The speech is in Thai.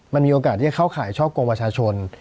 มันมีโอกาสที่จะเข้าข่ายช่อกงประชาชน